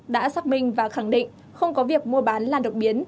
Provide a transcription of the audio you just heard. đồng minh và khẳng định không có việc mua bán lan đột biến